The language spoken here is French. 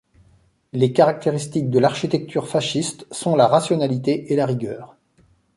Les caractéristiques de l'architecture fasciste sont la rationalité et la rigueur.